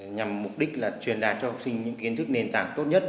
nhằm mục đích là truyền đạt cho học sinh những kiến thức nền tảng tốt nhất